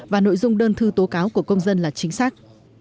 và nội dung đơn thư tố cáo của công dân là chính xác